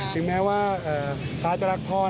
ถึงแม้ว่าฟ้าจะรักพ่อ